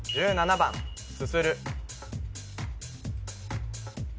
１７番すする